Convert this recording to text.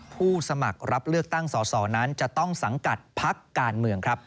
ผู้สมัครรับเลือกตั้งสอสอนั้นจะต้องสังกัดพักการเมืองครับ